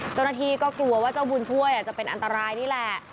เจ้าหน้าที่ก็กลัวว่าเจ้าบุญช่วยจะเป็นอันตรายนี่แหละ